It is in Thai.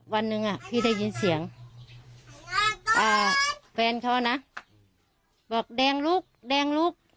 วันหนึ่งพี่ได้ยินเสียงแฟนเขานะบอกแดงลุกแดงลุก